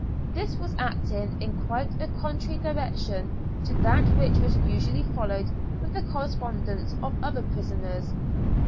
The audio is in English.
This was acting in quite a contrary direction to that which was usually followed with the correspondence of other prisoners.